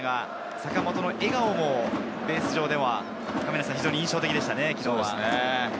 坂本の笑顔もベース上では印象的でしたね、昨日は。